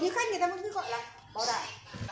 những khách người ta vẫn cứ gọi là bò tảng